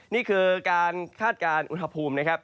นี่คือการคาดการณ์อุณหภูมินะครับ